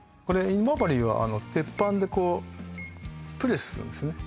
今治は鉄板でこうプレスするんですよね